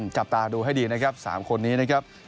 จับตาดูให้ดีนะครับ๓คนนี้นะครับ